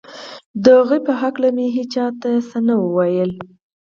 د هغو په هکله مې هېچا ته څه نه ویل